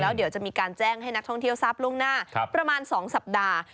เดี๋ยวจะมีการแจ้งให้นักท่องเที่ยวทราบล่วงหน้าประมาณ๒สัปดาห์